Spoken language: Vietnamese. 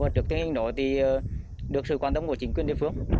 trước tiến hành đó được sự quan tâm của chính quyền địa phương